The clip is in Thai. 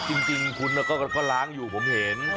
คือจริงคุณข้าร้างอยู่ผมเห็น